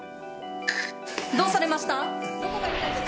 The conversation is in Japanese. どうされました？